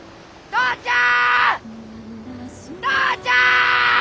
お父ちゃん！